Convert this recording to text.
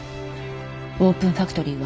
オープンファクトリーは？